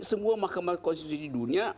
semua mahkamah konstitusi di dunia